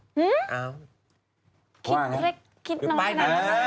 อ้าวคิดเล็กคิดน้อยน่ะครับแล้วยังไงต่อกันครับ